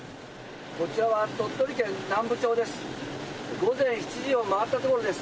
こちらは鳥取県南部町です。